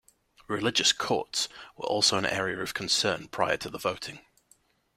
'Religious courts' were also an area of concern prior to the voting.